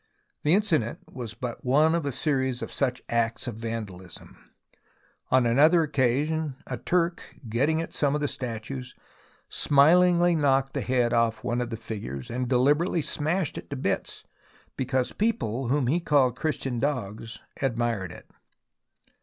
The incident was but one of a series of such acts of vandalism. On another occasion a Turk, getting at some of the statues, smilingly knocked the head off one of the figures and deliberately smashed it to bits because the people, whom he called Christian dogs, admired it.